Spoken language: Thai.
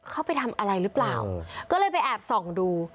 เข้าไปทำอะไรหรือเปล่าก็เลยไปแอบส่องดู